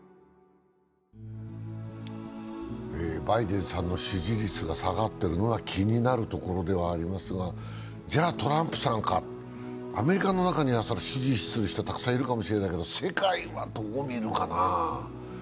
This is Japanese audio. バイデンさんの支持率が下がってるのが気になるところではありますがじゃ、トランプさんか、アメリカの中には支持する人がたくさんいるかもしれないけど世界はどう見るかな。